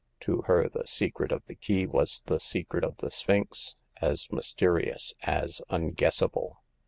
To her the secret of the key was the secret of the Sphinx— as myste rious, as unguessable.